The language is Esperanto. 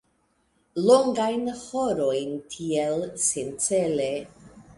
Longajn horojn tiel, sencele.